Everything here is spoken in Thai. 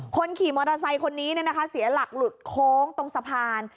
คนขี่มอเตอร์ไซค์คนนี้เสียหลักหลุดโค้งตรงสะพาน